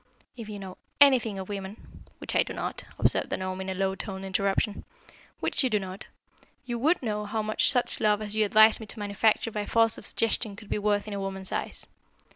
"If you know anything of women " "Which I do not," observed the gnome in a low toned interruption. "Which you do not you would know how much such love as you advise me to manufacture by force of suggestion could be worth in a woman's eyes.